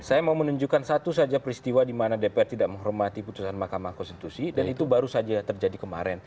saya mau menunjukkan satu saja peristiwa di mana dpr tidak menghormati putusan mahkamah konstitusi dan itu baru saja terjadi kemarin